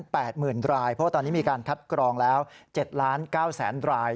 เพราะว่าตอนนี้มีการคัดกรองแล้ว๗๙๐๐๐๐๐ราย